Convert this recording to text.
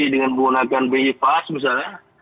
dengan menggunakan bi fas misalnya